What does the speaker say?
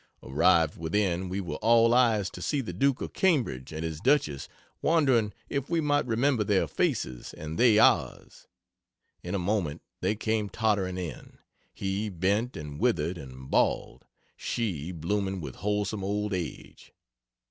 Arrived within, we were all eyes to see the Duke of Cambridge and his Duchess, wondering if we might remember their faces, and they ours. In a moment, they came tottering in; he, bent and withered and bald; she blooming with wholesome old age.